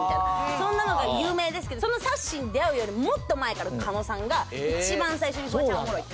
そんなのが有名ですけどそのさっしーに出会うよりもっと前から加納さんが一番最初にフワちゃんおもろいって。